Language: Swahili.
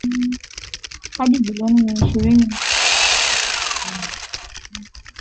hadi billioni mia moja ishirini na sita dola